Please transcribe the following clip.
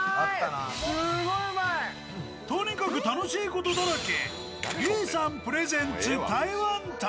とにかく楽しいことだらけ。